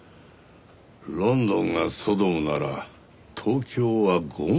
ロンドンがソドムなら東京はゴモラだな。